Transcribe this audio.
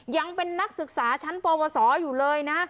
ยังเป็นนักศึกษาชั้นปวสออยู่เลยนะ